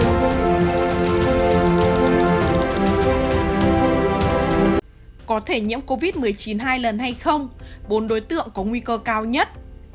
có thể nhiễm covid một mươi chín hai lần hay không bốn đối tượng có nguy cơ cao nhất